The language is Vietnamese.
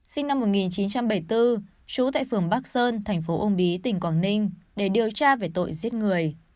sinh năm một nghìn chín trăm bảy mươi bốn trú tại phường bắc sơn thành phố uông bí tỉnh quảng ninh để điều tra về tội giết người